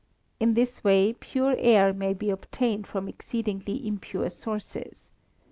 In this way pure air may be obtained from exceedingly impure sources.